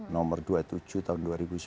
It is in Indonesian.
nomor dua puluh tujuh tahun dua ribu sembilan